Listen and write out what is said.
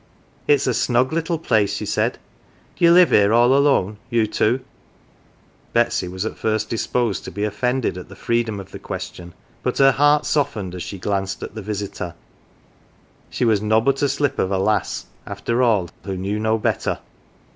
"Ifs a snug little place,"" she said; "d'ye live here all alone you two ?"" Betsy was at first disposed to be offended at the freedom of the question, but her heart softened as she glanced at the visitor. She was nobbut a slip of a lass after all who knew no better.